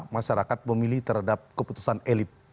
masyarakat pemilih terhadap keputusan elit